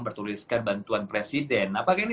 bertuliskan bantuan presiden apakah ini